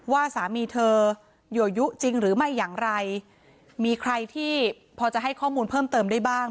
ว่าสามีเธออยู่ยุจริงหรือไม่อย่างไรมีใครที่พอจะให้ข้อมูลเพิ่มเติมได้บ้าง